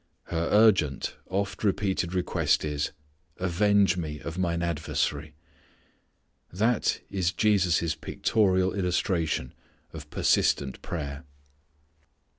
Her urgent, oft repeated request is, "avenge me of mine adversary." That is Jesus' pictorial illustration of persistent prayer.